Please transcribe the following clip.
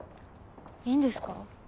いいんですか？